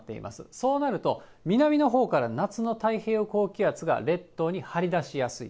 そうなると、南のほうから夏の太平洋高気圧が列島に張り出しやすい。